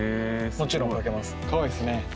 もちろん書けますかわいいですね。